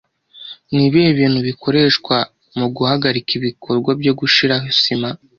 Nibihe bintu bikoreshwa muguhagarika ibikorwa byo gushiraho sima